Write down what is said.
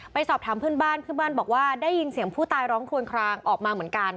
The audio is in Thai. สอบถามเพื่อนบ้านเพื่อนบ้านบอกว่าได้ยินเสียงผู้ตายร้องคลวนคลางออกมาเหมือนกัน